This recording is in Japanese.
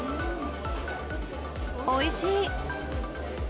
おいしい。